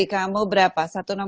jadi kamu berapa